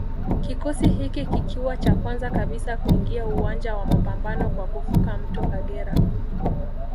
Kikosi hiki kikiwa cha kwanza kabisa kuingia uwanja wa mapambano kwa kuvuka mto Kagera